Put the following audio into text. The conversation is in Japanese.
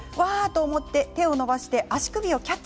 手を伸ばして、足首をキャッチ。